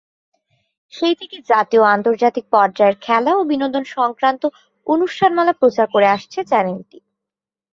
সেই থেকে জাতীয় ও আন্তর্জাতিক পর্যায়ের খেলা ও বিনোদন সংক্রান্ত অনুষ্ঠানমালা প্রচার করে আসছে চ্যানেলটি।